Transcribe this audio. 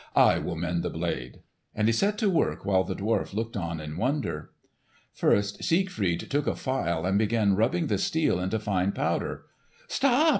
"I will mend the blade." And he set to work while the dwarf looked on in wonder. First Siegfried took a file and began rubbing the steel into fine powder. "Stop!"